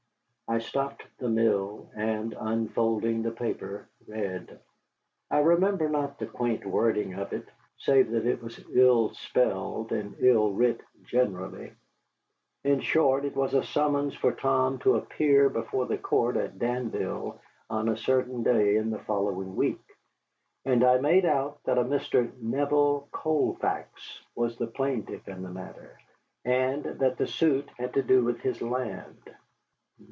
I stopped the mill, and, unfolding the paper, read. I remember not the quaint wording of it, save that it was ill spelled and ill writ generally. In short, it was a summons for Tom to appear before the court at Danville on a certain day in the following week, and I made out that a Mr. Neville Colfax was the plaintiff in the matter, and that the suit had to do with land.